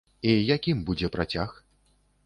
І якім будзе працяг?